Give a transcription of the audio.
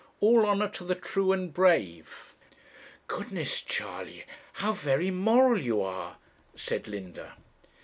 All honour to the true and brave!" 'Goodness, Charley how very moral you are!' said Linda.